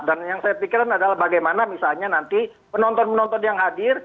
yang saya pikirkan adalah bagaimana misalnya nanti penonton penonton yang hadir